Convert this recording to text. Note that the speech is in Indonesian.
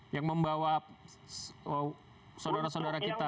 yang membawa saudara saudara kita